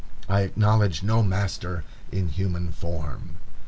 I acknowledge no master in human form."